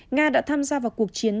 nga đã tham gia vào cuộc chiến